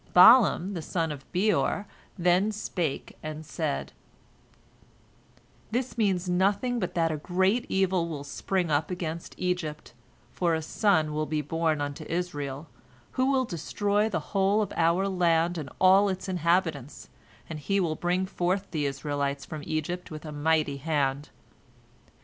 Balaam the son of Beor then spake, and said: "This means nothing but that a great evil will spring up against Egypt, for a son will be born unto Israel, who will destroy the whole of our land and all its inhabitants, and he will bring forth the Israelites from Egypt with a mighty hand.